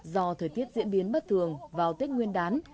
do thời tiết diễn biến bất thường vào tết nguyên đán